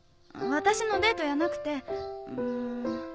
私のデートやなくてうん。